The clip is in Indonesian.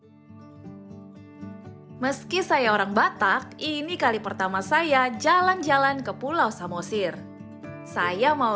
hai meski saya orang batak ini kali pertama saya jalan jalan ke pulau samosir saya mau